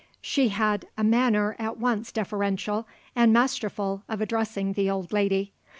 She had a manner at once deferential and masterful of addressing the old lady.